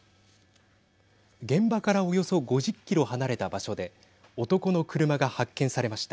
現場からおよそ５０キロ離れた場所で男の車が発見されました。